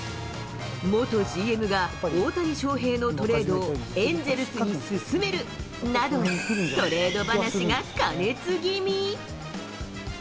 元ＧＭが大谷翔平のトレードをエンゼルスにすすめるなど、トレード話が過熱気味。